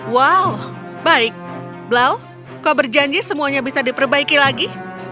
wow baik blau kau berjanji semuanya bisa diperbaiki lagi